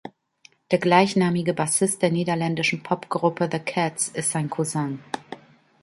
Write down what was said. Der gleichnamige Bassist der niederländischen Popgruppe The Cats ist sein Cousin.